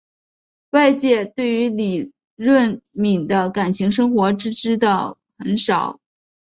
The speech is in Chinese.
外界对于李闰珉的感情生活知道的很少。